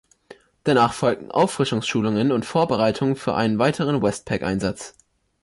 Danach folgten Auffrischungsschulungen und Vorbereitungen für einen weiteren WestPac-Einsatz.